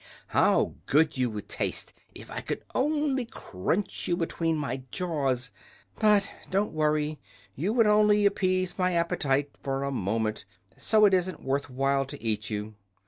how good you would taste if I could only crunch you between my jaws. But don't worry. You would only appease my appetite for a moment; so it isn't worth while to eat you."